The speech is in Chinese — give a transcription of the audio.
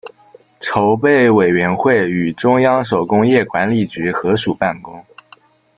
筹备委员会与中央手工业管理局合署办公。